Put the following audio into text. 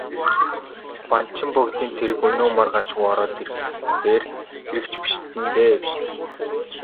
Банчин богдын цэрэг өнөө маргаашгүй ороод ирэхээр хэрэг ч бишиднэ дээ, бишиднэ.